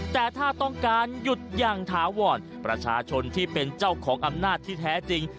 แต่ถ้าต้องการหยุดอย่างถาวรประชาชนที่เป็นเจ้าของอำนาจที่แท้จริง